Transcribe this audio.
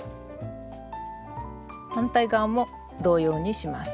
反対側も同様にします。